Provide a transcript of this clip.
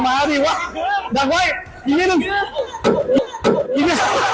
มึงออก